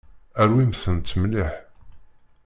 Rwimt-tent mliḥ.